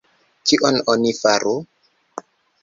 Kion oni faru?